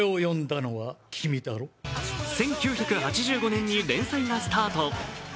１９８５年に連載がスタート。